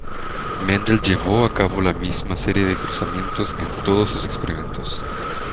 Mendel llevó a cabo la misma serie de cruzamientos en todos sus experimentos.